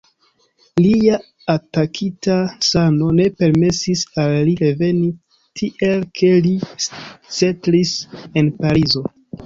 Lia atakita sano ne permesis al li reveni, tiel ke li setlis en Parizo.